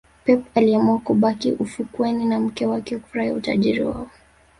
pep aliamua kubaki ufukweni na mke wake kufurahia utajiri wao